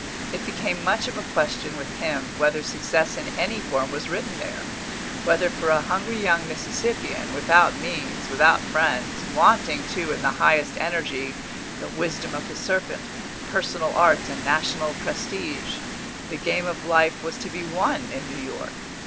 It became much of a question with him whether success in any form was written there; whether for a hungry young Mississippian, without means, without friends, wanting, too, in the highest energy, the wisdom of the serpent, personal arts and national prestige, the game of life was to be won in New York.